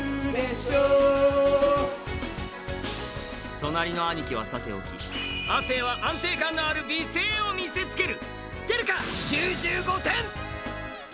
隣の兄貴はさておき、亜生は安定感のある美声を見せつける。